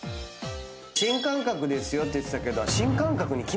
新感覚ですよって言ってたけど。